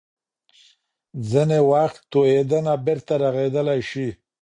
ځینې وخت تویېدنه بیرته رغېدلی شي.